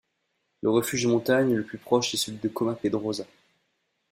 Le refuge de montagne le plus proche est celui de Coma Pedrosa.